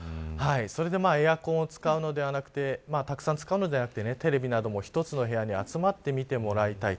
それでエアコンを使うのではなくてたくさん使うのではなくてテレビなども一つの部屋に集まって見てもらいたい。